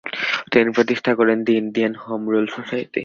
তিনি প্রতিষ্ঠা করেন the Indian home rule society.